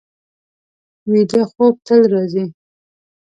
ویده خوب تل راځي